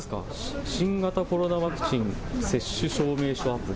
新型コロナワクチン接種証明書アプリ。